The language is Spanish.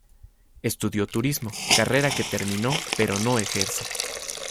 Estudió turismo, carrera que terminó pero no ejerce.